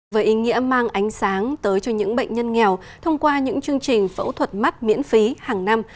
với ý nghĩa mang ánh sáng tới cho những bệnh nhân nghèo thông qua những chương trình phẫu thuật mắt miễn phí hàng năm